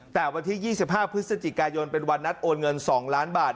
แต่วันที่๒๕พฤศจิกายนเป็นวันนัดโอนเงิน๒ล้านบาท